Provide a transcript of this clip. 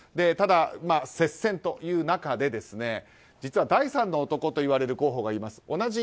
ただ、接戦という中で実は第三の男といわれる候補がいます。